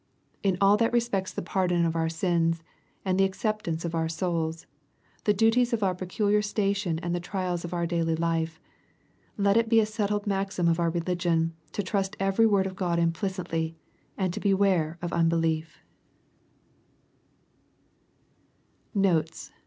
In all that respects the pardon of our sins, and the acceptance of our souls, — the duties of our peculiar station and the trials of our daily life, — ^let it be a settled maxim in our religion, to trust every word of God implicitly, and to beware of unbeliet Notes.